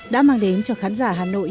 đã mang đến cho khán giả hà nội